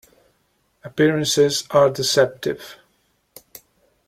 Appearances are deceptive.